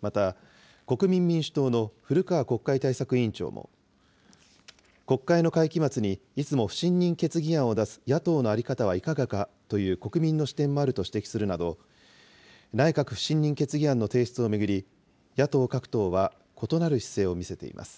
また、国民民主党の古川国会対策委員長も、国会の会期末にいつも不信任決議案を出す野党の在り方はいかがかという国民の視点もあると指摘するなど、内閣不信任決議案の提出を巡り、野党各党は異なる姿勢を見せています。